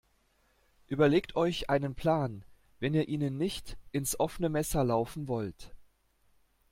Überlegt euch einen Plan, wenn ihr ihnen nicht ins offene Messer laufen wollt.